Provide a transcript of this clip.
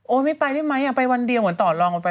ไม่ไปได้ไหมไปวันเดียวเหมือนต่อลองกันไป